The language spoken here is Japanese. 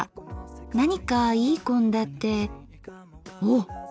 何かいい献立おっ！